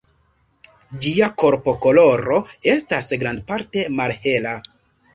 Ĝia korpokoloro estas grandparte malhela.